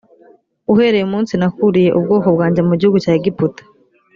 uhereye umunsi nakuriye ubwoko bwanjye mu gihugu cya egiputa